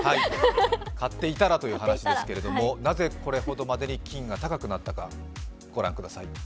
買っていたらという話ですけれどもなぜこれほどまでに金が高くなったか。